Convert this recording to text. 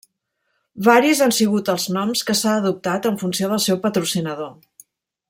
Varis han sigut els noms que s'ha adoptat en funció del seu patrocinador.